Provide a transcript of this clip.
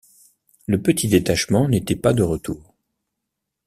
Le petit détachement n’était pas de retour.